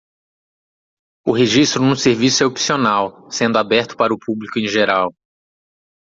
O registro no serviço é opcional, sendo aberto para o público em geral.